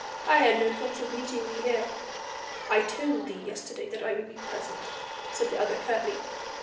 I had no thought of meeting thee here." "I told thee yesterday that I would be present," said the other curtly.